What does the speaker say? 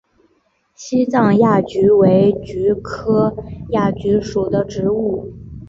西藏亚菊为菊科亚菊属的植物。